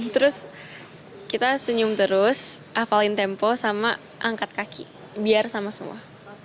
terus kita senyum terus hafalin tempo sama angkat kaki biar sama semua